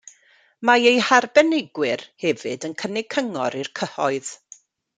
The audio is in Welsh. Mae eu harbenigwyr hefyd yn cynnig cyngor i'r cyhoedd.